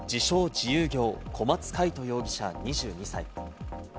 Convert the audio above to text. ・自由業、小松魁人容疑者・２２歳。